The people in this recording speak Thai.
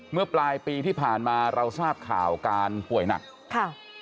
เมื่อปลายปีที่ผ่านมาเราทราบข่าวการป่วยหนักค่ะ